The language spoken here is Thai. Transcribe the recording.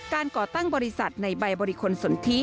ก่อตั้งบริษัทในใบบริคลสนทิ